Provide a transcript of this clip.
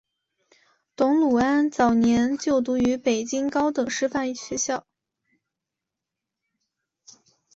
董鲁安早年就读于北京高等师范学校。